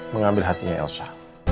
mengambil hatinya elsa